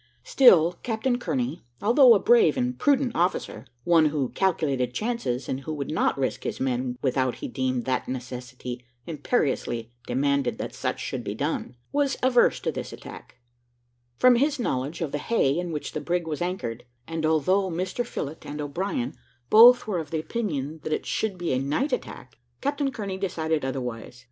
Still Captain Kearney, although a brave and prudent officer one who calculated chances, and who would not risk his men without he deemed that necessity imperiously demanded that such should be done was averse to this attack, from his knowledge of the hay in which the brig was anchored; and although Mr Phillott and O'Brien both were of opinion that it should be a night attack, Captain Kearney decided otherwise.